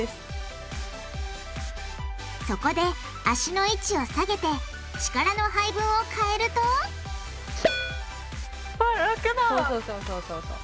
そこで足の位置を下げて力の配分を変えるとそうそうそうそうそうそう。